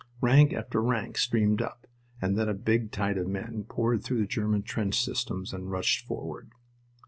Rank after rank streamed up, and then a big tide of men poured through the German trench systems and rushed forward.